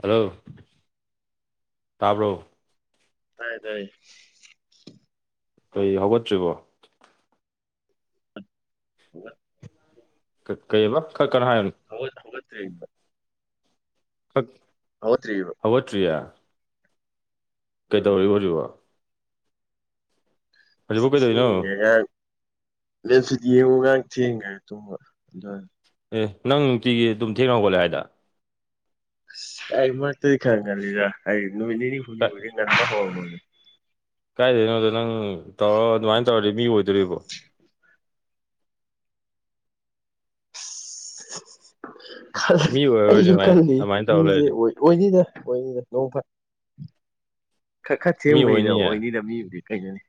Hello ꯇꯥꯕ꯭ꯔꯣ ꯇꯥꯏ ꯇꯥꯏ ꯀꯔꯤ ꯍꯧꯒꯠꯇ꯭ꯔꯤꯕꯣ ꯍꯧ ꯒꯠ ꯀ ꯀꯩꯕ ꯈꯔꯥ ꯀꯥꯟ ꯍꯥꯏꯌꯨ ꯍꯣꯏ ꯍꯧꯒꯠꯇꯔꯤ ꯊꯛ ꯍꯧꯗ꯭ꯔꯤ ꯏꯕ ꯍꯧꯒꯠꯇ꯭ꯔꯤꯌꯥ ꯎꯝ ꯀꯩꯗꯧꯔ ꯍꯧꯖꯤꯕꯣ ꯍꯧꯖꯤꯛꯕꯨ ꯀꯩꯗꯧꯔꯤꯅꯣ [unintelligible] ꯂꯦꯞꯁꯤꯗꯤ ꯌꯦꯡꯉꯨꯒ ꯊꯦꯡꯈ꯭ꯔ ꯇꯨꯝꯕ ꯑꯗꯨ ꯑꯦ ꯅꯪ ꯅꯨꯡꯇꯤꯒꯤ ꯑꯗꯨꯝ ꯊꯦꯡꯅ ꯍꯧꯒꯠꯂꯦ ꯍꯥꯏꯗ ꯑꯁ ꯑꯩ ꯃꯥꯇꯥꯔꯗꯤ ꯈꯔꯥ ꯉꯜꯂꯤꯗ ꯑꯩ ꯅꯨꯃꯤꯠ ꯅꯤꯅꯤ ꯍꯨꯝꯅꯤꯕꯨꯗꯤ ꯉꯟꯕ ꯍꯧꯔꯝꯃꯃꯤ ꯀꯥꯏꯗꯅꯣꯗꯣ ꯅꯪ ꯇꯧꯔ ꯑꯗꯨꯃꯥꯏꯅ ꯇꯧꯔꯗꯤ ꯃꯤ ꯑꯣꯏꯗꯣꯔꯤꯕꯣ ꯃꯤ ꯑꯣꯏꯔꯔꯣꯏ ꯑꯩꯁꯨ ꯑꯗꯨꯃꯥꯏꯅ ꯀꯜ ꯂꯩ ꯑꯗꯨꯃꯥꯏꯅ ꯇꯧꯔ ꯃꯤꯖꯦ ꯂꯩꯔꯗꯤ ꯑꯣꯏ ꯑꯣꯏꯅꯤꯗ ꯑꯣꯏꯅꯤꯗ ꯅꯣꯡ ꯐ ꯈꯔ ꯈꯔ ꯃꯤ ꯊꯦꯡꯕꯅꯤꯗ ꯑꯣꯏꯅꯤꯌꯦ ꯑꯣꯏꯅꯤꯗ ꯃꯤꯕꯨꯗꯤ ꯀꯩꯗꯅꯤ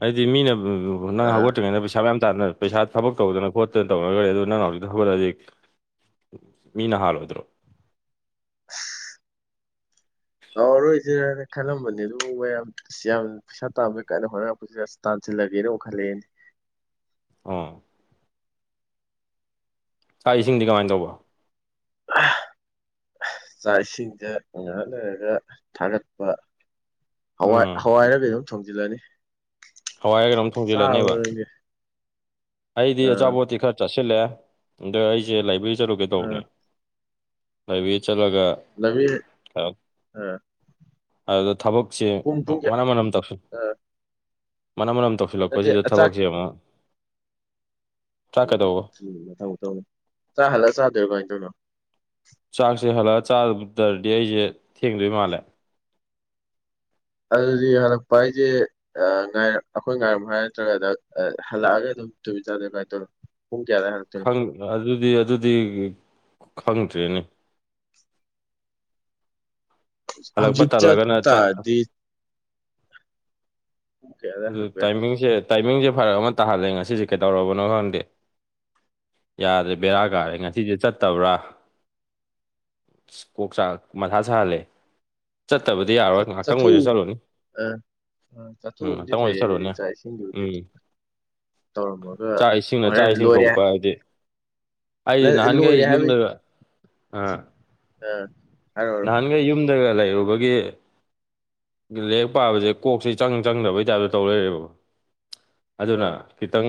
ꯑꯩꯗꯤ ꯃꯤꯅ [unintelligible] ꯅꯪ ꯍꯧꯒꯠꯇ꯭ꯔꯤꯉꯩꯗ ꯄꯩꯁꯥ ꯃꯌꯥꯝ [unintelligible] ꯄꯩꯁꯥ ꯊꯕꯛ ꯇꯧꯗꯅ ꯈꯣꯠꯇꯅ ꯇꯧꯅꯈꯔ ꯑꯗꯨ ꯅꯪꯅ ꯍꯧꯖꯤꯛ [unintelligible] ꯃꯤꯅ ꯍꯥꯜꯂꯣꯏꯗ꯭ꯔꯣ ꯇꯧꯔꯔꯣꯏꯁꯤꯔꯅ ꯈꯜꯂꯝꯕꯅꯦ ꯑꯗꯨ ꯃꯌꯥꯝ ꯑꯁ ꯌꯥꯝꯅ ꯄꯩꯁꯥ ꯇꯥꯕꯩ ꯀꯥꯏ ꯍꯣꯠꯅꯔꯛꯄꯁꯤ ꯑꯁ ꯇꯥꯜꯁꯤꯟꯂꯒꯦꯅ ꯑꯃꯨꯛꯈꯜꯂꯦꯅꯦ ꯑꯥ ꯆꯥꯛ ꯏꯁꯤꯡꯗꯤ ꯀꯃꯥꯏꯅ ꯇꯧꯕ ꯆꯥꯛ ꯏꯁꯤꯡꯗ ꯉꯥꯏꯍꯛꯂꯩꯔꯥꯒ ꯊꯥꯒꯠꯄ ꯍꯋꯥꯏ ꯎꯝ ꯍꯋꯥꯏꯔ ꯀ ꯑꯗꯨꯝ ꯊꯣꯡꯖꯤꯜꯂꯅꯤ ꯍꯋꯥꯏꯔ ꯒꯩꯅꯣꯝ ꯆꯥꯔꯕ ꯊꯣꯡꯖꯤꯜꯂꯅꯦꯕ ꯅꯪꯗꯤ ꯑꯩꯗꯤ ꯑ ꯑꯆꯥꯄꯣꯠꯇꯤ ꯈꯔ ꯆꯥꯁꯤꯜꯂꯦ ꯑꯗꯣ ꯑꯩꯁꯦ ꯂꯥꯏꯕ꯭ꯔꯦꯔꯤ ꯆꯠꯔꯨꯒꯦ ꯑ ꯇꯧꯕꯅꯦ ꯂꯥꯏꯕ꯭ꯔꯦꯔꯤ ꯆꯠꯂꯒ ꯅꯕꯤ ꯑ- ꯑ [inaudible] ꯑꯗꯨꯗ ꯊꯕꯛꯁꯦ ꯄꯨꯡ ꯄꯨꯡ ꯀꯌꯥ ꯃꯅꯝ ꯃꯅꯝ ꯇꯧꯁꯤ ꯑ ꯃꯅꯝ ꯃꯅꯝ ꯅꯠꯇꯦ ꯇꯧꯁꯤꯜꯂꯛꯄꯁꯤꯗ ꯑꯆꯥꯛ ꯊꯕꯛꯁꯦ ꯑꯃꯨꯛ ꯎꯝ ꯆꯥꯛꯀꯗꯧꯕ ꯎꯝ ꯃꯊꯪ ꯊꯧꯅꯤ ꯆꯥ ꯍꯜꯂ ꯆꯥꯗꯣꯏꯣ ꯀꯃꯥꯏꯅ ꯇꯧꯅꯣ ꯆꯥꯛꯁꯦ ꯍꯜꯂꯛꯒ ꯆꯥꯔꯗꯔꯗꯤ ꯑꯩꯁꯦ ꯊꯦꯡꯗꯣꯏ ꯃꯥꯜꯂꯦ ꯑꯗꯨꯗꯤ ꯍꯜꯂꯛꯄ ꯍꯥꯏꯁꯦ ꯑꯩꯈꯣꯏ ꯉꯥꯏꯔꯝꯃꯣ ꯍꯥꯏꯔ ꯅꯠꯇ꯭ꯔꯒ ꯍꯜꯂꯛꯑꯒ ꯑꯗꯨꯝ ꯔꯦ ꯅ ꯍꯨ ꯀꯌꯥꯔꯦ ꯍꯥꯏ [unintelligible] ꯈꯪ ꯑꯗꯨꯗꯤ ꯑꯗꯨꯗꯤ ꯈꯪꯗ꯭ꯔꯦꯅꯤ ꯍꯜꯂꯛꯄ ꯍꯧꯖꯤꯛ ꯆꯠ ꯇꯜꯂꯒꯅ ꯆꯥꯛ ꯇꯥꯔꯗꯤ ꯄꯨꯡ ꯀꯌꯥꯗ ꯑꯗꯨ ꯍꯜꯂꯛꯄ ꯌꯥꯏ ꯇꯥꯏꯃꯤꯡꯁꯦ ꯇꯥꯏꯃꯤꯡꯁꯦ ꯐꯔꯛ ꯑꯃ ꯇꯥꯍꯜꯂꯦ ꯉꯁꯤꯁꯦ ꯀꯩꯗꯧꯔꯕꯅꯣ ꯈꯪꯗꯦ ꯌꯥꯗ꯭ꯔꯦ ꯑ ꯕꯦꯔꯥ ꯀꯥꯔꯦ ꯉꯁꯤꯁꯨ ꯆꯠꯇꯕ꯭ꯔꯥ ꯀꯣꯛ ꯆꯥꯛ ꯃꯊꯥ ꯁꯥꯍꯜꯂꯦ ꯆꯠꯇꯕꯗꯤ ꯌꯥꯔꯣꯏ ꯉꯥꯛꯍꯥꯛꯇꯪ ꯑꯣꯏꯁꯨ ꯆꯠꯂꯨꯅꯤ ꯑꯥ ꯎꯝ ꯆꯥꯊꯣꯛꯎꯕꯗꯤ ꯉꯥꯏꯍꯥꯛꯇꯪ ꯑꯣꯏꯁꯨ ꯐꯩꯌꯦ ꯆꯠꯂꯨꯅꯤ ꯍꯥꯏꯗꯤ ꯆꯥꯛ ꯏꯁꯤꯡꯕꯨꯗꯤ ꯎꯝ ꯇꯧꯔꯝꯃꯒ ꯆꯥꯛ ꯏꯁꯤꯡꯅ ꯆꯥꯛ ꯍꯣꯔꯦꯟ ꯏꯁꯤꯡ ꯂꯣꯏꯔꯦ ꯊꯣꯛꯄ ꯍꯥꯏꯗꯤ ꯑꯩ ꯅꯍꯥꯟꯒꯩ ꯂꯣꯏꯔꯦ ꯌꯨꯝꯗ ꯑꯥ ꯑꯥꯥ ꯅꯍꯥꯟꯒꯩ ꯌꯨꯝꯗꯒ ꯂꯩꯔꯨꯕꯒꯤ ꯂꯦꯛ ꯄꯥꯕꯁꯦ ꯀꯣꯛꯁꯦ ꯏꯆꯪ ꯆꯪꯗꯕꯩ ꯇꯥꯏꯞꯇ ꯇꯧ ꯂꯩꯔꯦꯕ ꯑ ꯑꯗꯨꯅ ꯈꯤꯇꯪ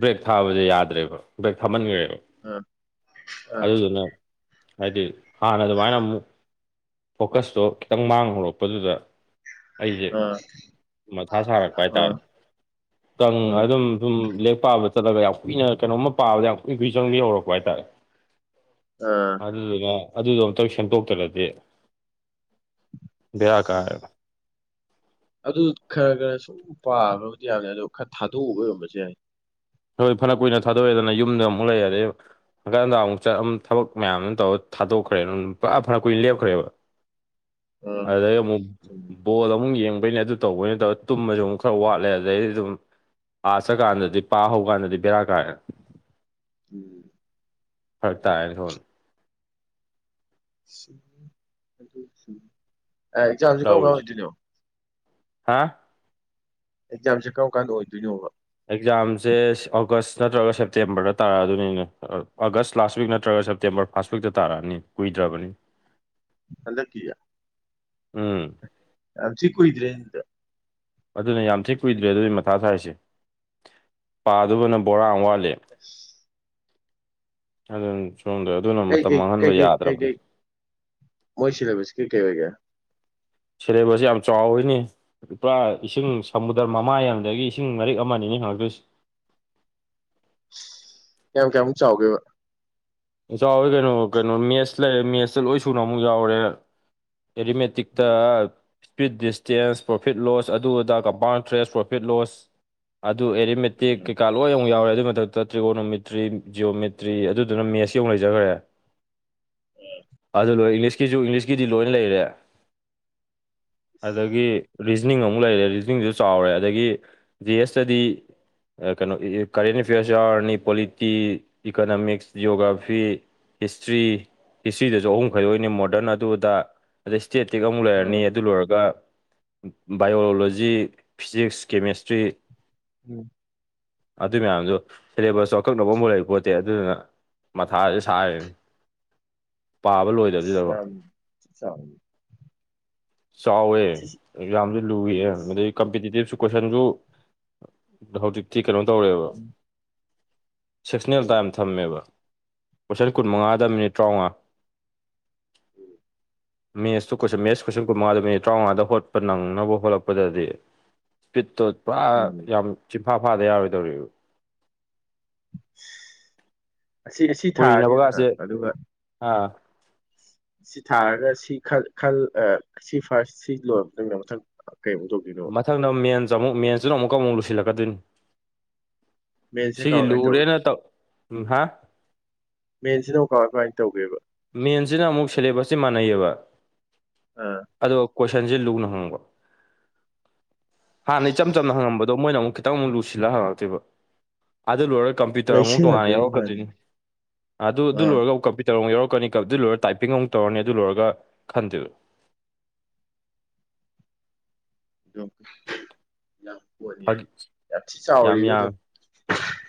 ꯕ꯭ꯔꯦꯛ ꯊꯥꯕꯁꯦ ꯌꯥꯗ꯭ꯔꯦꯕ ꯕ꯭ꯔꯦꯛ ꯊꯥꯃꯟꯒ꯭ꯔꯦꯕ ꯑꯥ ꯑꯥ ꯑꯗꯨꯗꯨꯅ ꯍꯥꯏꯗꯤ ꯍꯥꯟꯅ ꯗꯨꯃꯥꯏꯅ ꯃꯨꯛ ꯐꯣꯀꯁꯇꯣ ꯈꯤꯇꯪ ꯃꯥꯡ ꯍꯧꯔꯛꯄꯗꯨꯗ ꯑꯩꯖꯦ ꯑꯥ ꯃꯊꯥ ꯁꯥꯔꯛꯄ ꯑꯥ ꯍꯥꯏꯇꯥꯔꯦ ꯀꯪ ꯑꯥ ꯑꯗꯨꯝ ꯁꯨꯝ ꯂꯥꯔꯤꯛ ꯄꯥꯕ ꯆꯠꯂꯒ ꯌꯥꯝ ꯀꯨꯏꯅ ꯀꯩꯅꯣꯝꯃ ꯄꯥꯕꯗ ꯌꯥꯝ ꯀꯨꯏ-ꯀꯨꯏ ꯆꯪꯕꯤ ꯍꯧꯔꯛꯄ ꯍꯥꯏꯇꯥꯔꯦ ꯑꯥ ꯑꯗꯨꯗꯨꯅ-ꯑꯗꯨꯗꯣ ꯑꯝꯇꯪ ꯁꯦꯝꯗꯣꯛꯇ꯭ꯔꯥꯗꯤ ꯕꯦꯔꯤ ꯀꯥꯏ ꯑꯕ ꯑꯗꯨ ꯈꯔ- ꯈꯔ ꯁꯨꯝ ꯄꯥꯒ꯭ꯔꯥꯕꯨꯗꯤ ꯌꯥꯝꯅꯤ ꯑꯗꯣ ꯈꯔ ꯊꯥꯗꯣꯛꯎꯕꯩ ꯑꯣꯏꯔꯝꯕꯁꯨ ꯌꯥꯏ ꯍꯣꯏ ꯐꯥꯅ ꯀꯨꯏꯅ ꯊꯥꯗꯣꯛꯑꯦꯗꯅ ꯌꯨꯝꯗ ꯑꯃꯨꯛ ꯂꯩ ꯑꯗꯩ ꯍꯪꯒꯠ -ꯍꯟꯗ ꯑꯃꯨꯛ ꯆꯠ ꯑꯃꯨꯛ ꯊꯕꯛ ꯃꯌꯥꯝ ꯑꯃ ꯇꯧꯔ ꯊꯥꯗꯣꯛꯈ꯭ꯔꯦ ꯐꯅ ꯀꯨꯏꯅ ꯂꯦꯞꯈ꯭ꯔꯦꯕ ꯑꯥ ꯑꯗꯩꯪ ꯑꯃꯨꯛ ꯆꯨꯝꯃꯦ. ꯕꯣꯜ ꯑꯃꯨꯛ ꯑꯃꯨꯨꯡ ꯌꯦꯡꯕꯩꯅꯦ ꯑꯗꯨ ꯇꯧꯕꯩꯩꯅꯦ ꯇꯧꯔ ꯇꯨꯝꯕꯖꯨ ꯑꯃꯨꯛ ꯈꯔꯥ ꯋꯥꯠꯂꯦ ꯑꯗꯩ ꯑꯗꯨꯝ ꯑꯥ ꯆꯠꯀꯥꯟꯗꯗꯤ ꯄꯥ ꯍꯧꯀꯥꯟꯗꯗꯤ ꯕꯦꯔꯥ ꯀꯥꯏꯔꯦꯕ ꯎꯝ ꯐꯔꯛ ꯇꯥꯏꯔꯦ ꯑꯣꯟꯊꯣꯛꯅ ꯑꯦ ꯑꯦꯛꯖꯥꯝꯖꯨ ꯀꯔꯝ ꯀꯥꯟ ꯇꯧꯔꯤꯁꯦ ꯑꯣꯏꯗꯣꯏꯅꯣ ꯍꯥ ꯑꯦꯛꯖꯥꯝꯖꯦ ꯀꯔꯝ ꯀꯥꯟ ꯑꯣꯏꯗꯨꯏꯅꯣꯕ ꯑꯦꯛꯖꯥꯝꯖꯦ ꯑꯥꯒꯁ ꯅꯠꯇ꯭ꯔꯒ ꯁꯦꯞꯇꯦꯝꯕꯔꯗ ꯇꯥꯗꯣꯏꯅꯤꯅꯦ ꯑꯥꯒꯁ ꯂꯥꯁ ꯋꯤꯛ ꯅꯠꯇ꯭ꯔꯒ ꯁꯦꯞꯇꯦꯝꯕꯔ ꯐꯥꯁ ꯋꯥꯛꯇ ꯇꯥꯔꯛꯑꯅꯤ ꯀꯨꯏꯗ꯭ꯔꯥꯕꯅꯤ ꯍꯟꯗꯛꯀꯤꯖꯦ ꯎꯝ ꯌꯥꯝ ꯊꯤ ꯀꯨꯏꯗ꯭ꯔꯦꯅꯦ ꯑꯗꯨꯗꯤ ꯑꯗꯨꯅꯦ ꯌꯥꯝ ꯊꯤ ꯀꯨꯏꯗ꯭ꯔꯦ ꯑꯗꯨꯏꯅꯦ ꯃꯊꯥ ꯁꯥꯏꯁꯦ ꯄꯥꯗꯧꯕꯅ ꯕꯣꯔꯥ ꯑꯝ ꯋꯥꯠꯂꯤ [inaudible] ꯑꯗꯨꯅꯤ ꯁꯣꯝꯗ ꯑꯗꯨꯅ ꯀꯩ ꯃꯇꯝ ꯀꯩ ꯀꯩ ꯃꯥꯡꯍꯟꯕ ꯀꯩ ꯀꯩ ꯌꯥꯗ꯭ꯔꯥꯕꯅꯤ ꯀꯩ ꯃꯣꯏ ꯁꯤꯂꯦꯕꯁꯇꯤ ꯀꯩ ꯑꯣꯏꯒꯦ ꯁꯤꯂꯦꯕꯁꯁꯤ ꯌꯥꯝ ꯆꯥꯎꯋꯤꯅꯤ ꯄꯨꯔꯥ ꯏꯁꯤꯡ ꯁꯃꯨꯗ꯭ꯔꯥ ꯃꯃꯥꯏ ꯑꯃꯗꯒꯤ ꯏꯁꯤꯡ ꯃꯔꯤꯛ ꯑꯃꯅꯤꯅꯦ ꯍꯪꯉꯛꯇꯣꯏꯁꯤ ꯀꯌꯥꯝ -ꯀꯌꯥꯝꯃꯨꯛ ꯆꯥꯎꯒꯦꯕ ꯆꯥꯎꯋꯦ ꯀꯩꯅꯣ ꯀꯩꯅꯣ ꯃꯦꯠꯁ ꯂꯩꯔꯦ ꯃꯦꯠꯁꯇ ꯂꯣꯏ ꯁꯨꯅ ꯑꯃꯨꯛ ꯌꯥꯎꯔꯦ ꯑꯦꯔꯤꯃꯦꯠ ꯇꯤꯛꯇ ꯎꯝ ꯏꯁꯄꯤꯠ ꯗꯤꯁꯇꯦꯟꯁ ꯄ꯭ꯔꯣꯐꯤꯠ ꯂꯣꯁ ꯑꯗꯨ ꯑꯗꯥ ꯀꯝꯄꯥꯎꯟ ꯏꯟꯇ꯭ꯔꯦꯁ ꯄ꯭ꯔꯣꯐꯤꯠ ꯂꯣꯁ ꯑꯗꯨ ꯑꯦꯔꯤ ꯃꯦꯇꯤꯛ ꯎꯝ ꯀꯩꯀꯥ ꯂꯣꯏ ꯑꯃꯨꯛ ꯌꯥꯎꯔꯦ ꯑꯗꯨꯏ ꯃꯊꯛꯇ ꯇ꯭ꯔꯤꯒꯣꯅꯣꯃꯦꯇ꯭ꯔꯤ ꯖꯤꯑꯣꯃꯦꯇ꯭ꯔꯤ ꯑꯗꯨꯗꯨꯅ ꯃꯦꯁ ꯀꯤ ꯃꯨꯛ ꯂꯩꯖꯥꯒ꯭ꯔꯦ ꯑꯗꯨ ꯂꯣꯏꯔꯥ ꯏꯪꯂꯤꯁ ꯀꯤꯖꯨ ꯏꯪꯂꯤꯁꯀꯤꯗꯤ ꯂꯣꯏ ꯂꯩꯔꯦ ꯑꯗꯥꯒꯤ ꯔꯤꯖꯅꯤꯡ ꯑꯃꯨꯛ ꯂꯩꯔꯦ ꯔꯤꯖꯅꯤꯡꯖꯨ ꯆꯥꯎꯔꯦ ꯑꯗꯒꯤ ꯖꯤ ꯑꯦꯁꯇꯗꯤ ꯀꯩꯅꯣ ꯀꯔꯦꯟ ꯑꯦꯐꯤꯌꯔꯁ ꯌꯥꯎꯔꯅꯤ ꯄꯣꯂꯤꯇꯤ ꯏꯀꯅꯣꯃꯤꯛꯁ ꯖꯤꯑꯣꯒ꯭ꯔꯥꯐ ꯐꯤ ꯍꯤꯁꯇ꯭ꯔꯤ ꯍꯤꯁꯇ꯭ꯔꯤꯗꯁꯨ ꯑꯍꯨꯝ ꯈꯥꯏꯗꯣꯛꯏꯅꯤ ꯃꯣꯔꯗꯟ ꯑꯗꯨ ꯑꯗꯥ ꯑꯗꯩ ꯁ꯭ꯇꯦꯠꯇꯤꯛ ꯑꯃꯨꯛ ꯂꯩꯔꯅꯤ ꯎꯝ ꯑꯗꯨ ꯂꯣꯏꯔꯒ ꯕꯥꯏꯑꯣꯂꯣꯖꯤ ꯐꯤꯖꯤꯛꯁ ꯀꯦꯃꯦꯁꯇ꯭ꯔꯤ [inaudible] ꯑꯗꯨ ꯃꯌꯥꯝꯗꯣ ꯁꯦꯂꯦꯕꯁꯁꯨ ꯑꯀꯛꯅꯕꯝꯕꯧ ꯂꯩ ꯄꯣꯠꯇꯦ ꯑꯗꯨꯗꯨꯅ ꯃꯊꯥꯁꯦ ꯁꯥꯏ ꯄꯥꯕ ꯂꯣꯏ [inaudible] ꯆꯥꯎꯋꯦ ꯌꯥꯝꯁꯨ ꯂꯨꯏꯌꯦ ꯑꯗꯩ ꯀꯝꯄꯤꯇꯤꯇꯤꯞꯁꯨ ꯀꯣꯏꯁꯟꯁꯨ ꯍꯧꯖꯤꯛ ꯇꯤ ꯀꯩꯅꯣ ꯇꯧꯔꯦꯕ ꯎꯝ ꯁꯦꯛꯁꯅꯦꯜ ꯇꯥꯏꯝ ꯎꯝ ꯊꯝꯃꯦꯕ ꯀꯣꯏꯁꯟ ꯎꯝ ꯀꯨꯟꯃꯉꯥꯗ ꯃꯤꯅꯤꯠ ꯇ꯭ꯔꯥꯎꯉꯥ ꯃꯦꯠꯁꯇꯨ ꯀꯣꯏꯁꯟ ꯃꯦꯠꯁ ꯀꯣꯏꯁꯟ ꯀꯨꯟꯉꯥꯗꫭ ꯃꯤꯅꯤꯠ ꯇ꯭ꯔꯥꯎꯉꯥꯗ ꯍꯣꯠꯄ ꯅꯪꯅꯕ ꯍꯣꯠꯂꯛꯄꯗꯗꯤ ꯁ꯭ꯄꯤꯠꯇꯣ ꯄꯨꯔꯥ ꯎꯝ. ꯌꯥꯝ ꯆꯤꯟꯐꯥ ꯐꯥꯗ ꯌꯥꯎꯔꯣꯏꯗꯧꯔꯤꯕ ꯑꯁꯤ ꯉꯁꯤ ꯊꯥꯔꯅꯤꯗꯅ ꯄꯨꯔꯤꯅꯕꯒꯁꯦ ꯑꯗꯨꯒ ꯑꯥ ꯁꯤ ꯊꯥꯔꯒ ꯁꯤ ꯈꯜ ꯈꯜ ꯁꯤ ꯐꯥꯔꯁ ꯁꯤ ꯂꯣꯏꯔ ꯃꯇꯨꯡꯗ ꯃꯊꯪ ꯀꯩꯃꯨꯛ ꯇꯧ ꯃꯊꯪꯗ ꯑꯃ ꯃꯦꯟꯁ ꯑꯃꯨꯛ ꯃꯦꯟꯁꯇꯨꯅ ꯑꯃꯨꯛꯀ ꯑꯃꯨꯛ ꯂꯨꯁꯤꯜꯂꯛꯀꯗꯣꯏꯅꯤ ꯃꯦꯟꯁꯤꯅ ꯁꯤꯒꯤ ꯀꯃꯥꯏ ꯀꯃꯥꯏ ꯇꯧꯒꯦ ꯂꯨꯔꯦꯅ ꯇꯧ ꯎꯝ ꯍꯥ ꯃꯦꯟꯁꯤꯅ ꯑꯃꯨꯛ ꯀꯃꯥꯏ ꯀꯃꯥꯏ ꯇꯧꯒꯦꯕ ꯃꯦꯟꯁꯤꯅ ꯑꯃꯨꯛ ꯁꯦꯂꯦꯕꯁꯇꯤ ꯃꯥꯟꯅꯩꯑꯦꯕ ꯎꯝ ꯑꯗꯨꯒ ꯀꯣꯏꯁꯟꯁꯦ ꯂꯨꯅ ꯍꯪꯕ ꯍꯥꯟꯅꯩ ꯏꯆꯝ ꯆꯝꯅ ꯍꯪꯉꯝꯕ ꯑꯗꫭ ꯃꯣꯏꯅ ꯑꯃꯨꯛ ꯈꯤꯇꯪ ꯑꯃꯨ ꯂꯨ ꯁꯤꯜꯂ ꯍꯪꯉꯛꯇꯩꯕ ꯑꯗꯨ ꯂꯣꯏꯔꯒ ꯀꯝꯄ꯭ꯌꯨꯇꯔ ꯑꯃꯨꯛ ꯇꯣꯉꯥꯟꯅ ꯂꯩꯁꯤꯜꯍꯟꯕꯩ ꯋꯥꯅꯤ ꯌꯥꯎꯔꯛꯀꯗꯣꯏꯅꯤ ꯑꯗꯨ ꯑꯗꯨ ꯑꯥ ꯂꯣꯏꯔꯒ ꯀꯝꯄ꯭ꯌꯨꯇꯔ ꯑꯃꯨꯛ ꯌꯥꯎꯔꯛ ꯀꯅꯤ ꯀꯗꯨ ꯂꯣꯏꯔ ꯇꯥꯏꯄꯤꯡ ꯑꯃꯨꯛ ꯇꯧꯔꯅꯤ ꯑꯗꯨ ꯂꯣꯏꯔꯒ ꯈꯟꯗꯩꯕ [unintelligible] ꯌꯥꯝ ꯐꯥꯒꯤ ꯊꯤ ꯌꯥꯝ ꯆꯥꯎꯔꯤꯕ ꯑꯗꯨꯝ ꯌꯥꯝꯃꯦ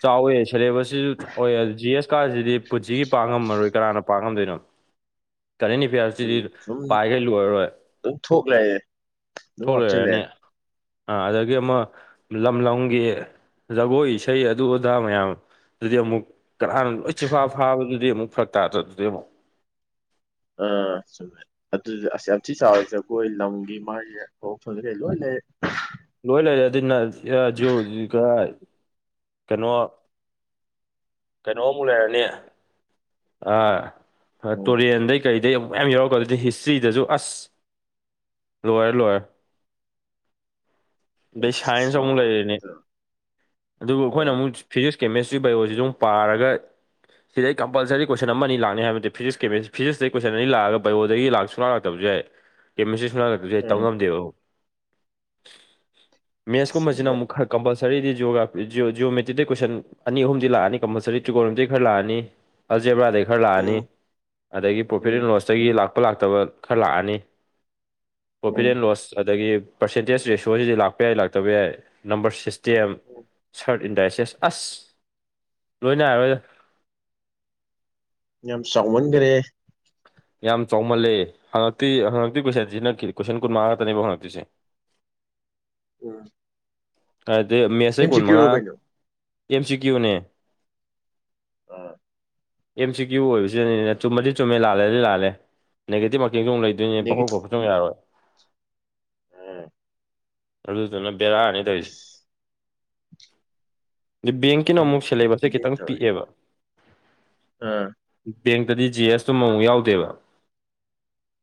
ꯆꯥꯎꯋꯦ ꯁꯦꯂꯦꯕꯁꯁꯤꯁꯨ ꯆꯥꯎꯋꯦ ꯖꯤ ꯑꯦꯁ ꯀꯥꯁꯤꯗꯤ ꯄꯨꯟꯁꯤꯒꯤ ꯄꯥꯛꯉꯝꯃꯔꯣꯏ ꯀꯅꯥꯅ ꯄꯥ ꯉꯝꯗꯣꯏꯅꯣ ꯀꯔꯦꯟ ꯑꯦꯐꯤꯌꯥꯔꯁꯁꯤꯗꯤ ꯎꯝ ꯁꯨꯝ ꯄꯥꯏꯈꯩ ꯂꯣꯏꯔꯔꯣꯏ ꯑꯗꯨꯝ ꯊꯣꯛꯂꯛꯑꯦ ꯑꯗꯨꯝ ꯊꯣꯛ ꯍꯥꯞꯆꯜꯂꯦ ꯂꯩꯔꯅꯤ ꯑꯥ ꯑꯗꯒꯤ ꯑꯃ ꯂꯝ ꯂꯝꯒꯤ ꯖꯒꯣꯏ ꯏꯁꯩ ꯑꯗꯨ ꯑꯗꯥ ꯃꯌꯥꯝ ꯑꯗꯨꯗꯤ ꯑꯃꯨꯛ ꯀꯅꯥꯅ ꯂꯣꯏ ꯆꯤꯟꯐꯥ ꯐꯥꯕꯗꯨꯗꯤ ꯑꯃꯨꯛ ꯐꯔꯛ ꯇꯥꯗ꯭ꯔꯥ ꯑꯗꯨꯗꯤ ꯑꯃꯨꯛ ꯑꯥ ꯆꯨꯝꯃꯦ ꯑꯗꯨꯗꯤ ꯑꯁ ꯌꯥꯝ ꯊꯤ ꯁꯥꯔꯦ ꯖꯒꯣꯏ ꯂꯝꯒꯤ ꯃꯥꯒꯤ ꯍꯧꯔꯛꯐꯝꯗꯩ ꯀꯩ ꯂꯣꯏ ꯂꯩꯔꯦ ꯂꯣꯏ ꯂꯩꯔꯦ ꯑꯗꯨꯅ [unintelligible] ꯀꯔꯥꯏ ꯀꯩꯅꯣ ꯀꯩꯅꯣꯑꯃꯨꯛ ꯂꯩꯔꯅꯤ ꯑꯥ ꯍꯥ ꯎꯝ ꯇꯨꯔꯦꯟꯗꯩ ꯀꯔꯤꯗꯩ ꯑꯃꯨꯛ ꯃꯌꯥꯝ ꯌꯥꯎꯔꯀ ꯑꯗꯨꯗꯤ ꯍꯤꯁꯇ꯭ꯔꯤꯗꯁꯨ ꯑꯁ ꯂꯣꯏꯔꯦ ꯂꯣꯏꯔꯦ ꯌꯥꯝ ꯗꯨꯗꯩ ꯊꯤ ꯁꯥꯏꯟꯁ ꯑꯃꯨꯛ ꯆꯥꯎꯔꯦ ꯂꯩꯔꯤꯅꯦ ꯑꯗꯨꯕꯨ ꯑꯩꯈꯣꯏꯅ ꯑꯥ ꯑꯃꯨꯛ ꯐꯤꯖꯤꯛꯁ ꯀꯦꯃꯦꯁꯇ꯭ꯔꯤ ꯕꯥꯏꯑꯣꯖꯤꯖꯨ ꯑꯃꯨꯛ ꯄꯥꯔꯒ ꯁꯤꯗꯩ ꯀꯝꯄꯜꯁꯔꯤ ꯀꯣꯏꯁꯟ ꯑꯃ ꯑꯅꯤ ꯂꯥꯛꯅꯤ ꯍꯥꯏꯕ ꯅꯠꯇꯦ ꯐꯤꯖꯤꯛꯁ ꯀꯦꯃꯤꯁꯇ ꯐꯤꯖꯤꯁꯇꯩ ꯀꯣꯏꯁꯟ ꯑꯅꯤ ꯂꯥꯛꯑꯒ ꯕꯥꯏꯑꯣꯗꯒꯤ ꯂꯥꯛ ꯁꯨꯡꯂꯥꯛ ꯂꯥꯛꯇꯕꯁꯨ ꯌꯥꯏ ꯀꯦꯃꯤꯁꯇ꯭ꯔꯤ ꯁꯨꯡꯂꯥꯛ ꯂꯛꯇꯁꯨ ꯌꯥꯏ ꯇꯝ ꯎꯝ ꯉꯝꯗꯦꯕ ꯑꯝꯕꯧ ꯃꯦꯠꯁꯀꯨꯝꯕꯁꯤꯅ ꯑꯃꯨꯛ ꯈꯛ ꯀꯝꯄꯜꯁꯔꯤꯗꯤ ꯖꯤꯑꯣꯒ꯭ꯔꯥꯐꯤ ꯖꯤꯑꯣ ꯖꯤꯑꯣꯃꯦꯇ꯭ꯔꯤꯇꯩ ꯀꯣꯏꯁꯟ ꯑꯅꯤ ꯑꯍꯨꯝꯗꯤ ꯂꯥꯛꯑꯅꯤ ꯀꯝꯄꯜꯁꯔꯤ ꯇ꯭ꯔꯤꯒꯣꯅꯣꯃꯤꯇ꯭ꯔꯤꯗꯩ ꯈꯔ ꯂꯥꯛꯑꯅꯤ ꯑꯜꯖꯦꯕ꯭ꯔꯥꯗꯩ ꯈꯔ ꯂꯥꯛꯑꯅꯤ ꯎꯝ ꯑꯗꯒꯤ ꯄ꯭ꯔꯣꯐꯤꯠ ꯎꯝ ꯑꯦꯟ ꯂꯣꯁꯇꯒꯤ ꯂꯥꯛꯄ ꯂꯥꯛꯇꯕ ꯈꯔ ꯂꯥꯛꯑꯅꯤ ꯄ꯭ꯔꯣꯐꯤꯠ ꯎꯝ ꯑꯦꯟ ꯂꯣꯁ ꯑꯗꯒꯤ ꯄꯔꯁꯦꯟꯇꯦꯖ ꯔꯦꯁꯤꯌꯣꯁꯤꯗꯤ ꯂꯥꯛꯄ ꯌꯥꯏ ꯂꯥꯛꯇꯕ ꯌꯥꯏ ꯅꯝꯕꯔ ꯁꯤꯁ ꯇꯦꯝ ꯎꯝ ꯁꯔꯠ ꯏꯟꯗꯥꯏꯁꯦꯁ ꯑꯁ ꯂꯣꯏ ꯅꯥꯏꯔꯔꯣꯏꯗ ꯌꯥꯝ ꯆꯥꯎꯃꯟꯒ꯭ꯔꯦ ꯌꯥꯝ ꯆꯥꯎꯃꯜꯂꯦ ꯍꯪꯉꯛꯇꯤ ꯍꯪꯉꯛꯇꯣꯏ ꯀꯣꯏꯁꯟ ꯁꯤ ꯅꯛꯈꯤ ꯀꯣꯏꯁꯟ ꯀꯨꯟꯃꯉꯥ ꯈꯛꯇꯅꯦꯕ ꯍꯪꯉꯛꯇꯣꯏꯁꯦ ꯎꯝ ꯑꯥꯗꯩ ꯃꯦꯁꯇꯩ ꯑꯦꯝ ꯁꯤ ꯀꯨꯟ ꯀ꯭ꯌꯨꯔꯣ ꯃꯉꯥ ꯀꯩꯅꯣ ꯑꯦꯝ ꯁꯤ ꯀ꯭ꯌꯨꯅꯦ ꯑꯥ ꯑꯦꯝ ꯁꯤ ꯀ꯭ꯌꯨ ꯑꯣꯏꯕꯁꯤꯗꯅꯤꯅꯦ ꯆꯨꯝꯃꯗꯤ ꯆꯨꯝꯃꯦ ꯂꯥꯜꯂꯗꯤ ꯂꯥꯜꯂꯦ ꯅꯦꯒꯦꯇꯤꯕ ꯃꯥꯔꯀꯤꯡꯁꯨ ꯑꯃꯨꯛ ꯂꯩ ꯑꯗꯨꯅꯦ ꯅꯦꯒꯤ ꯄꯪꯈꯣꯠ ꯈꯣꯠꯄꯁꯨ ꯌꯥꯔꯣꯏ ꯎꯝ ꯑꯗꯨꯗꯨꯅ ꯕꯦꯔꯥꯅꯤ ꯇꯧꯔꯤꯁꯦ [unintelligible] ꯑꯗꯩ ꯕꯦꯡꯀꯤꯅ ꯌꯥꯝ ꯑꯃꯨꯛ ꯁꯦꯂꯦꯕꯁꯁꯦ ꯂꯨꯔꯤꯅꯦ ꯈꯤꯇꯪ ꯇꯧꯔꯤ ꯄꯤꯛꯑꯦꯕ ꯑꯥ ꯕꯦꯡꯇꯗꯤ ꯖꯤ ꯑꯦꯁ ꯇꯨ ꯑꯃꯃꯨꯛ ꯌꯥꯎꯗꯦꯕ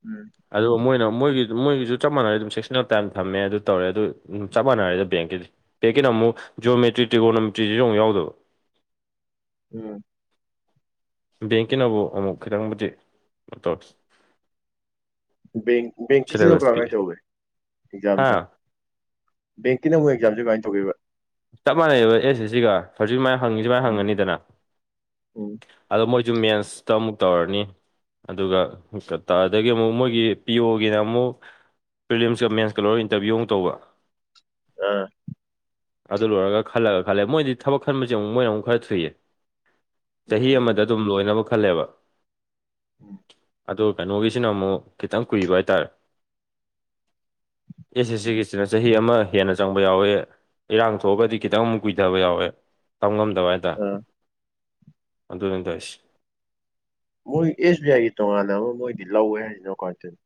ꯎꯝ ꯑꯗꯨꯒ ꯃꯣꯏꯅ ꯃꯣꯏꯒꯤ ꯃꯣꯏꯒꯤꯁꯨ ꯆꯞ ꯃꯥꯟꯅꯔꯦ ꯑꯗꯨꯝ ꯁꯦꯛꯁꯅꯦꯜ ꯇꯥꯏꯝ ꯊꯝꯃꯦ ꯑꯗꯨ ꯇꯧꯔꯦ ꯑꯗꯨ ꯆꯞ ꯃꯥꯟꯅꯔꯦꯗ ꯕꯦꯡꯀꯤꯗꯤ ꯕꯦꯡꯀꯤꯅ ꯑꯃꯨꯛ ꯖ꯭ꯌꯣꯃꯤꯇ꯭ꯔꯤ ꯇ꯭ꯔꯤꯒꯣꯅꯣꯃꯤꯇ꯭ꯔꯤꯖꯤꯖꯨ ꯑꯃꯨꯛ ꯌꯥꯎꯗꯕ ꯎꯝ ꯕꯦꯡꯀꯤꯅꯕꯨ ꯑꯃꯨꯛ ꯈꯤꯇꯪꯕꯨꯗꯤ [unintelligible] ꯕꯦꯡ ꯕꯦꯡꯀꯤꯁꯤꯅ ꯁꯤꯂꯦꯕꯁ ꯀꯔꯝꯃꯥꯏꯅ ꯄꯤꯛꯑꯦ ꯇꯧꯒꯦ ꯍꯥ ꯑꯦꯛꯖꯥꯝꯁꯦ ꯕꯦꯡꯀꯤꯅ ꯑꯃꯨꯛ ꯑꯦꯛꯖꯥꯝꯁꯦ ꯀꯃꯥꯏ ꯇꯧꯒꯦꯕ ꯆꯞ ꯃꯥꯟꯅꯩꯑꯕ ꯑꯦꯁ ꯑꯦꯁ ꯁꯤꯒ ꯍꯧꯖꯤꯛ ꯁꯨꯃꯥꯏꯅ ꯍꯪꯉꯤ ꯁꯨꯃꯥꯏꯅ ꯎꯝ ꯍꯪꯉꯅꯤꯗꯅ ꯎꯝ ꯑꯗꯣ ꯃꯣꯏ ꯖꯨꯝ ꯃꯦꯟꯁꯇ ꯑꯃꯨꯛ ꯇꯧꯔꯅꯤ ꯑꯗꯨꯒ ꯀꯇꯥꯗꯒꯤ ꯑꯃꯨꯛ ꯃꯣꯏꯒꯤ ꯄꯤ ꯑꯣꯒꯤꯅ ꯑꯃꯨꯛ ꯄ꯭ꯔꯤꯂꯤꯝꯁꯀ ꯃꯦꯟꯁꯀ ꯂꯣꯏꯔꯒ ꯏꯟꯇꯔꯕ꯭ꯌꯨ ꯑꯃꯨꯛ ꯇꯧꯕ ꯑꯥ ꯑꯗꯨ ꯂꯣꯏꯔꯒ ꯈꯜꯂꯒ ꯈꯜꯂꯦ ꯃꯣꯏꯗꯤ ꯊꯕꯛ ꯈꯟꯕꯁꯦ ꯑꯃꯨꯛ ꯃꯣꯏꯅ ꯑꯃꯨꯛ ꯈꯔ ꯊꯨꯏꯌꯦ ꯆꯍꯤ ꯎꯝ ꯑꯃꯗ ꯑꯗꯨꯝ ꯂꯣꯏꯅꯕ ꯈꯜꯂꯦꯕ [unintelligible] ꯑꯗꯣ ꯀꯩꯅꯣꯒꯤꯁꯤꯅ ꯑꯃꯨꯛ ꯈꯤꯇꯪ ꯀꯨꯏꯕ ꯍꯥꯏꯇꯥꯔꯦ ꯑꯦꯁ ꯑꯦꯁ ꯁꯤꯒꯤꯁꯤꯅ ꯆꯍꯤ ꯑꯃ ꯍꯦꯟꯅ ꯆꯪꯕ ꯌꯥꯎꯋꯦ ꯏꯔꯥꯡ ꯊꯣꯛꯑꯒꯗꯤ ꯈꯤꯇꯪ ꯑꯃꯨꯛ ꯀꯨꯏꯊꯕ ꯌꯥꯎꯋꯦ ꯇꯝ ꯉꯝꯗꯕ ꯍꯥꯏꯇꯥꯔꯦ ꯑꯥ ꯑꯗꯨꯅꯤ ꯇꯧꯔꯤꯁꯤ ꯃꯣꯏ ꯑꯦꯁ ꯕꯤ ꯑꯥꯏꯒꯤ ꯇꯣꯉꯥꯟꯅ ꯑꯃ ꯃꯣꯏꯗꯤ ꯂꯧꯋꯦ ꯍꯥꯏꯔꯤꯁꯤꯅ ꯀꯃꯥꯏ ꯇꯧꯔꯤꯅꯣ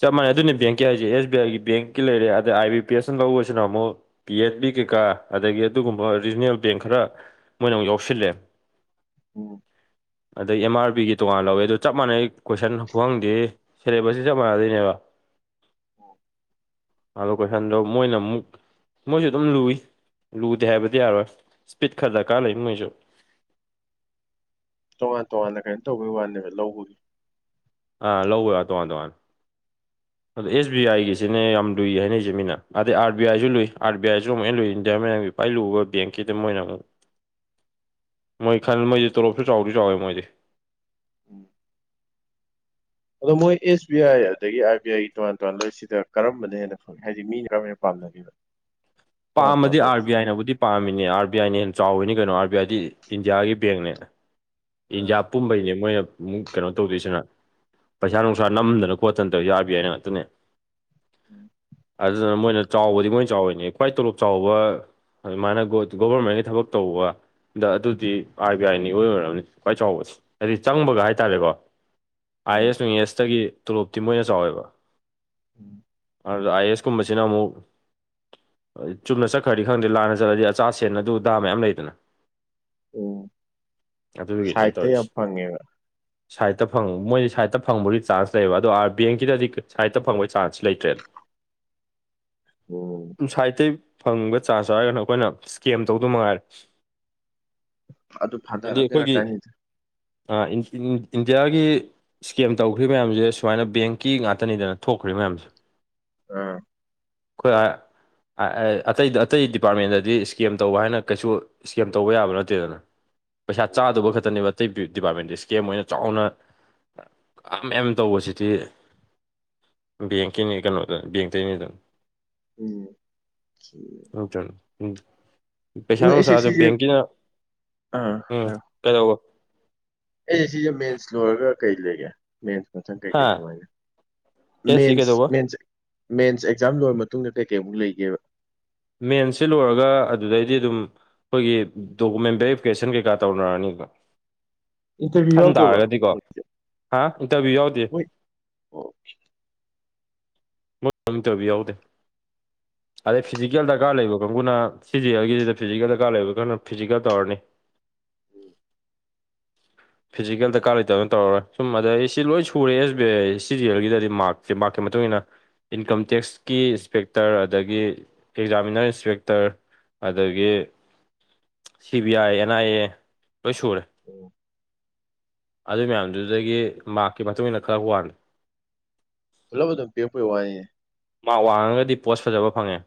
ꯆꯞ ꯃꯥꯟꯅꯩ ꯑꯗꯨꯅꯤ ꯕꯦꯡꯀꯤ ꯍꯥꯏꯁꯦ ꯑꯦꯁ ꯕꯤ ꯑꯥꯏꯒꯤ ꯕꯦꯡꯀꯤ ꯂꯩꯔꯦ ꯑꯗ ꯑꯥꯏ ꯕꯤ ꯄꯤ ꯑꯦꯁꯅ ꯂꯧꯕꯁꯤꯅ ꯑꯃꯨꯛ ꯄꯤ ꯑꯦꯠ ꯕꯤ ꯀꯩꯀꯥ ꯑꯗꯒꯤ ꯑꯗꯨꯒꯨꯝꯕ ꯔꯤꯖꯤꯅꯦꯜ ꯕꯦꯡ ꯈꯔ ꯃꯣꯏꯅ ꯑꯃꯨꯛ ꯌꯥꯎꯁꯤꯜꯂꯦ ꯎꯝ ꯑꯗꯩ ꯑꯦꯝ ꯑꯥꯔ ꯕꯤꯒꯤ ꯇꯣꯉꯥꯟ ꯂꯧꯋꯦ ꯑꯗꯨ ꯆꯞ ꯃꯥꯟꯅꯩ ꯀꯣꯏꯁꯟ ꯈꯨꯍꯪꯗꯤ ꯁꯦꯂꯦꯕꯁꯁꯤ ꯆꯞ ꯃꯥꯟꯅꯗꯣꯏꯅꯦꯕ ꯑꯣ ꯑꯗꯣ ꯀꯣꯏꯁꯟꯗꯣ ꯃꯣꯏꯅ ꯑꯃꯨꯛ ꯃꯣꯏꯁꯨ ꯑꯗꯨꯝ ꯂꯨꯏ ꯂꯨꯗꯦ ꯍꯥꯏꯕꯗꯤ ꯌꯥꯔꯣꯏ ꯁ꯭ꯄꯤꯠ ꯈꯔ ꯗꯔꯀꯥꯔ ꯂꯩ ꯃꯣꯏꯁꯨ ꯇꯣꯉꯥꯟ ꯇꯣꯉꯥꯟꯅ ꯀꯩꯅꯣ ꯇꯧꯕꯒꯤ ꯋꯥꯅꯦꯕ ꯂꯧꯕꯒꯤ ꯑꯥ ꯂꯧꯕꯩ ꯋꯥꯅꯦ ꯇꯣꯉꯥꯟ ꯇꯣꯉꯥꯟꯅ ꯑꯗꯣ ꯑꯦꯁ ꯕꯤ ꯑꯥꯏꯒꯤꯁꯤꯅꯦ ꯌꯥꯝ ꯂꯨꯏ ꯍꯥꯏꯅꯩꯁꯦ ꯃꯤꯅ ꯑꯗꯩ ꯑꯥꯔ ꯕꯤ ꯑꯥꯏꯁꯨꯨ ꯂꯨꯏ ꯑꯥꯔ ꯕꯤ ꯑꯥꯏꯁꯨ ꯑꯃꯨꯛ ꯍꯦꯟꯅ ꯂꯨꯏ ꯏꯟꯗꯤꯌꯥ ꯃꯌꯥꯝꯒꯤ ꯈ꯭ꯋꯥꯏꯗꯒꯤ ꯂꯨꯕ ꯕꯦꯡꯀꯤꯗ ꯃꯣꯏꯅ ꯑꯃꯨꯛ ꯃꯣꯏ ꯈꯟ ꯃꯣꯏꯗꯤ ꯇꯣꯂꯣꯞꯁꯨ ꯆꯥꯎꯗꯤ ꯆꯥꯎꯋꯦ ꯃꯣꯏꯗꯤ ꯎꯝ ꯑꯗꯣ ꯃꯣꯏ ꯑꯦꯁ ꯕꯤ ꯑꯥꯏ ꯑꯗꯒꯤ ꯑꯥꯔ ꯕꯤ ꯑꯥꯏꯒꯤ ꯇꯣꯉꯥꯟ ꯇꯣꯉꯥꯟꯕ ꯁꯤꯗ ꯀꯔꯝꯕꯅ ꯍꯦꯟꯅ ꯐꯒꯦ ꯍꯥꯏꯗꯤ ꯃꯤꯅ [unintelligible] ꯄꯥꯝꯅꯒꯦꯗꯣ [unintelligible] ꯄꯥꯝꯃꯗꯤ ꯑꯥꯔ ꯕꯤ ꯑꯥꯏꯅꯕꯨꯗꯤ ꯄꯥꯝꯃꯤꯅꯦ ꯑꯥꯔ ꯕꯤ ꯑꯥꯏꯅ ꯍꯦꯟꯅ ꯆꯥꯎꯔꯤꯅꯤ ꯀꯩꯅꯣ ꯑꯥꯔ ꯕꯤ ꯑꯥꯏꯗꯤ ꯏꯟꯗꯤꯌꯥꯒꯤ ꯕꯦꯡꯅꯦ ꯑꯥ ꯏꯟꯗꯤꯌꯥ ꯄꯨꯝꯕꯩꯅꯦ ꯃꯣꯏꯅ ꯨꯀꯩꯅꯣ ꯇꯧꯗꯣꯏꯁꯤꯅ ꯄꯩꯁꯥ ꯅꯨꯡꯁꯥ ꯅꯝꯗꯅ ꯈꯣꯠꯇꯅ ꯇꯧꯔꯤꯁꯦ ꯑꯥꯔ ꯕꯤ ꯑꯥꯏꯅ ꯉꯥꯛꯇꯅꯦ ꯎꯝ ꯑꯗꯨꯗꯨꯅ ꯃꯣꯏꯅ ꯆꯥꯎꯕꯗꯤ ꯃꯣꯏꯅ ꯆꯥꯎꯔꯤꯅꯦ ꯈ꯭ꯋꯥꯏ ꯇꯣꯂꯣꯞ ꯆꯥꯎꯕ ꯑꯗꯨ ꯃꯥꯅ ꯒꯣ ꯒꯣꯕꯔꯃꯦꯟꯒꯤ ꯊꯕꯛ ꯇꯧꯕꯗ ꯑꯗꯨꯗꯤ ꯑꯥꯔ ꯕꯤ ꯑꯥꯏꯅ ꯏꯑꯣꯏ ꯑꯣꯏꯔꯝꯅꯤ ꯈ꯭ꯋꯥꯏ ꯆꯥꯎꯕꯁꯦ ꯍꯥꯏꯗꯤ ꯆꯪꯕꯒ ꯍꯥꯏꯇꯥꯔꯦꯀꯣ ꯑꯥꯏ ꯎꯝ ꯑꯦꯁ ꯅꯨꯡ ꯑꯦꯁꯇꯒꯤ ꯇꯣꯂꯣꯞꯇꯤ ꯃꯣꯏꯅ ꯆꯥꯎꯋꯦꯕ ꯎꯝ ꯑꯗꯨꯒ ꯑꯥꯏ ꯑꯦꯁ ꯀꯨꯝꯕꯁꯤꯅ ꯑꯃꯨꯛ ꯆꯨꯝꯅ ꯆꯠꯈ꯭ꯔꯗꯤ ꯈꯪꯗꯦ ꯂꯥꯟꯅ ꯆꯠꯂꯗꯤ ꯑꯆꯥ ꯁꯦꯟ ꯑꯗꯨ ꯑꯗꯥ ꯃꯌꯥꯝ ꯂꯩꯗꯅ ꯎꯝ ꯑꯗꯨꯒꯤꯅꯦ ꯁꯥꯏꯠꯇ ꯇꯧꯔꯤꯁꯦ ꯌꯥꯝ ꯐꯪꯉꯦꯕ ꯁꯥꯏꯠꯇ ꯐꯪ ꯃꯣꯏꯗꯤ ꯁꯥꯏꯠꯇ ꯐꯪꯕꯒꯤ ꯆꯥꯟꯁ ꯂꯩꯌꯦꯕ ꯑꯗꯣ ꯑꯥꯔ ꯕꯦꯡꯀꯤꯗꯗꯤ ꯁꯥꯏꯠꯇ ꯐꯪꯕꯒꯤ ꯆꯥꯟꯁ ꯂꯩꯇ꯭ꯔꯦꯗ [unintelligible] ꯎꯝ ꯁꯥꯏꯠꯇꯩꯒꯤ ꯐꯪꯕ ꯆꯥꯟꯁ ꯍꯥꯏꯔꯒꯅ ꯑꯩꯈꯣꯏꯅ ꯁ꯭ꯀꯦꯝ ꯇꯧꯗꯨ ꯃꯉꯥꯏꯔꯦ ꯑꯗꯨ ꯊꯥꯗꯔꯒ ꯀꯩꯔꯥꯛ ꯑꯥ ꯏꯟ ꯏꯟꯗꯤꯌꯥꯒꯤ ꯁ꯭ꯀꯦꯝ ꯇꯧꯈ꯭ꯔꯤ ꯃꯌꯥꯝꯁꯦ ꯁꯨꯃꯥꯏꯅ ꯕꯦꯡꯀꯤ ꯉꯥꯛꯇꯅꯤꯗꯅ ꯊꯣꯛꯈ꯭ꯔꯤ ꯃꯌꯥꯝꯁꯦ ꯑꯥ ꯑꯩꯈꯣꯏ ꯑꯇꯩ ꯑꯇꯩ ꯗꯤꯄꯥꯔꯠꯃꯦꯟꯗꯗꯤ ꯁ꯭ꯀꯦꯝ ꯇꯧꯕ ꯍꯥꯏꯅ ꯀꯩꯁꯨ ꯁ꯭ꯀꯦꯝ ꯇꯧꯕ ꯌꯥꯕ ꯅꯠꯇꯦꯗꯅ ꯄꯩꯁꯥ ꯎꯝ ꯆꯥꯗꯧꯕ ꯈꯛꯇꯅꯦꯕ ꯑꯇꯩ ꯗꯤꯄꯥꯔꯠꯃꯦꯟꯗꯤ ꯁ꯭ꯀꯦꯝ ꯑꯣꯏꯅ ꯆꯥꯎꯅ ꯑꯝꯑꯦꯝ ꯇꯧꯕꯁꯤꯗꯤ ꯕꯦꯡꯀꯤꯅꯤ ꯀꯩꯅꯣꯗ ꯕꯦꯡꯇꯩꯅꯤꯗ ꯎꯝ [unintelligible] [unintelligible] ꯄꯩꯁꯥ ꯑꯣ ꯑꯦꯁ ꯅꯨꯡꯁꯥꯁꯨ ꯑꯦꯁ ꯁꯤ ꯕꯦꯡꯀꯤꯅ ꯑꯥ ꯎꯝ ꯀꯩꯗꯧꯕ ꯑꯦ ꯁꯤꯁꯦ ꯃꯦꯟꯁ ꯂ‌ꯣꯏꯔꯒ ꯀꯩ ꯂꯩꯒꯦ ꯃꯦꯟꯁ ꯃꯊꯪ ꯍꯥ ꯀꯩꯀꯩ ꯀꯃꯥꯏꯅ ꯑꯦ ꯁꯤ ꯃꯦꯟꯁ ꯀꯩꯗꯧꯕ ꯃꯦꯟꯁ ꯃꯦꯟꯁ ꯑꯦꯛꯖꯥꯝ ꯂꯣꯏꯔ ꯃꯇꯨꯡꯗ ꯀꯩꯀꯩꯃꯨꯛ ꯂꯩꯒꯦꯕ ꯃꯦꯟꯁ‌ꯦ ꯂꯣꯏꯔꯒ ꯑꯗꯨꯗꯩꯗꯤ ꯑꯗꯨꯝ ꯑꯩꯈꯣꯏꯒꯤ ꯗꯣꯀꯨꯃꯦꯟ ꯚꯦꯔꯤꯐꯤꯀꯦꯁꯟ ꯀꯩꯀꯥ ꯇꯧꯔ‌ꯑꯅꯤꯕ ꯏꯟꯇꯔꯚꯤꯌꯨ ꯈꯟ ꯌꯥꯎꯗꯕ꯭ꯔꯣ ꯇꯥꯔꯒꯗꯤꯀꯣ ꯍꯥ ꯏꯟꯇꯔꯚꯤꯌꯨ ꯌꯥꯎꯗꯦ ꯑꯣꯈ‌ꯦ [unintelligible] ꯏꯟꯇꯔꯚꯤꯌꯨ ꯌꯥꯎꯗ‌ꯦ ꯑꯗꯩ ꯐꯤꯖꯤꯀꯦꯜ ꯗꯔꯀꯥꯔ ꯂꯩꯕ ꯀꯥꯡꯕꯨꯅ ꯁꯤꯖꯤꯑꯦꯜꯒꯤꯁꯤꯗ ꯐꯤꯖꯤꯀꯦꯜ ꯗꯔꯀꯥꯔ ꯂꯩꯕ ꯈꯔꯅ ꯐꯤꯖꯤꯀꯦꯜ ꯇꯧꯔꯅꯤ ꯎꯝ ꯐꯤꯖꯤꯀꯦꯜ ꯗꯔꯀꯥꯔ ꯂꯩꯇꯕꯅ ꯇꯧꯔꯔꯣꯏ ꯁꯨꯝ ꯑꯗꯩ ꯁꯤ ꯂꯣꯏ ꯁꯨꯔꯦ ꯑꯦꯁ ꯕꯤ ꯑꯥꯏ ꯁꯤ ꯖꯤ ꯑꯦꯜꯒꯤꯗꯗꯤ ꯃꯥꯔ꯭ꯛꯁꯦ ꯃꯥꯔ꯭ꯛꯀꯤ ꯃꯇꯨꯡ ꯏꯟꯅ ꯏꯟꯀꯝ ꯇꯦꯛꯁꯀꯤ ꯏꯟꯁꯄꯦꯛꯇꯔ ꯑꯗꯒꯤ ꯑꯦꯛꯖꯥꯃꯤꯅꯔ ꯏꯟꯁꯄꯦꯛꯇꯔ ꯑꯗꯒꯤ C B I and I A ꯂꯣꯏ ꯁꯨꯔꯦ ꯑꯣ ꯑꯗꯨ ꯃꯌꯥꯝꯗꯨꯗꯒꯤ ꯃꯥꯔ꯭ꯛꯀꯤ ꯃꯇꯨꯡ ꯏꯟꯅ ꯈꯜꯂꯛꯋꯥꯟ ꯄꯨꯂꯞ ꯑꯗꯨꯝ ꯄꯤꯔꯛꯄꯩ ꯋꯥꯅꯤꯅ‌ꯦ ꯃꯥꯛ ꯋꯥꯡꯉꯒꯗꯤ ꯄꯣꯁ ꯐꯖꯕ ꯐꯪꯉꯦ